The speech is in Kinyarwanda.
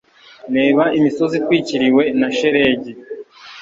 Reba imisozi itwikiriwe na shelegi.